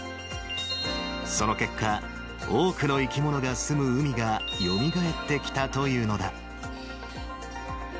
その結果、多くの生き物が住む海がよみがえってきたというのだ。